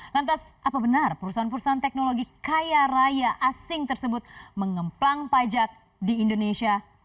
lantas apa benar perusahaan perusahaan teknologi kaya raya asing tersebut mengemplang pajak di indonesia